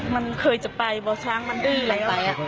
มันเคยจะไปเพราะช้างมันดื้อไป